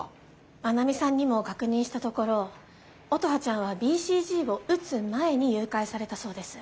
真奈美さんにも確認したところ乙葉ちゃんはＢＣＧを打つ前に誘拐されたそうです。